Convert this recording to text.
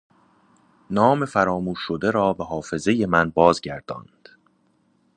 نام فراموش شده را به حافظه ی من بازگرداند!